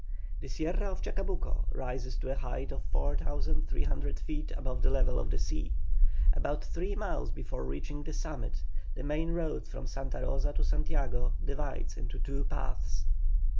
The Sierra of Chacabuco rises to a height of 4,300 feet above the level of the sea. About three miles before reaching the summit, the main road from Santa Rosa to Santiago divides into two paths.